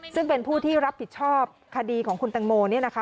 ซึ่งเป็นผู้ที่รับผิดชอบคดีของคุณตังโมเนี่ยนะคะ